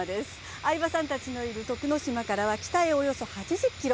相葉さんたちのいる徳之島からは北へ、およそ８０ｋｍ。